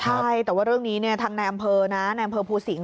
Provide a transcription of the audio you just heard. ใช่แต่ว่าเรื่องนี้ทางในอำเภอนะในอำเภอภูสิงห